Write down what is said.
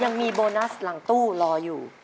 ยังมีโบนัสหลังตู้รออยู่